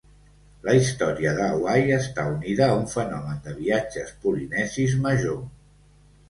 La Història de Hawaii està unida a un fenomen de viatges polinesis major.